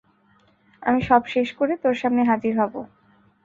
আমি সব শেষ করে, তোর সামনে হাজির হবো।